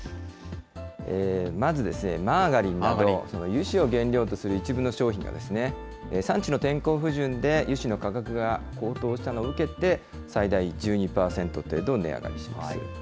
まずマーガリンなど油脂を原料とする一部の商品が、産地の天候不順で油脂の価格が高騰したのを受けて、最大１２％程度値上がりします。